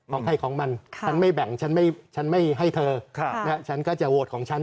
ของใครของมันฉันไม่แบ่งฉันไม่ให้เธอฉันก็จะโหวตของฉัน